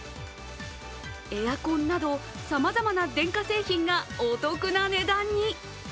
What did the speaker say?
エアコンなど、さまざまな電化製品がお得な値段に。